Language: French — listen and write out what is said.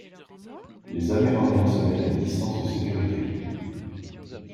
Les Amérindiens se mettent à une distance de sécurité.